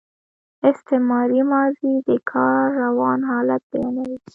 استمراري ماضي د کار روان حالت بیانوي.